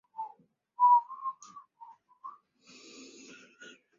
是下半年和第三季的开始。